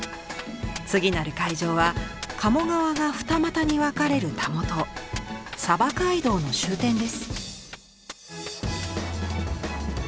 次なる会場は鴨川が二股に分かれるたもと街道の終点です。